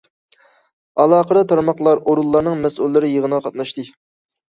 ئالاقىدار تارماقلار، ئورۇنلارنىڭ مەسئۇللىرى يىغىنغا قاتناشتى.